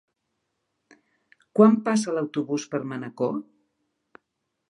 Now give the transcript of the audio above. Quan passa l'autobús per Manacor?